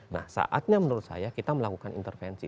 nah saatnya menurut saya kita melakukan intervensi